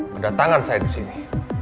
kedatangan saya disini